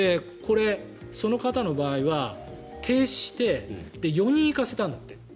その方の場合は停止して４人行かせたんだって。